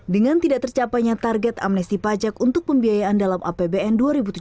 dengan tidak tercapainya target amnesti pajak untuk pembiayaan dalam apbn dua ribu tujuh belas